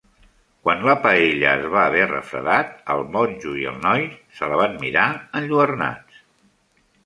Quan la paella es va haver refredat, el monjo i el noi se la van mirar, enlluernats.